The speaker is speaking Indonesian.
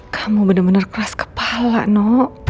kamu bener bener keras kepala no